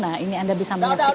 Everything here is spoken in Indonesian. nah ini anda bisa menyaksikan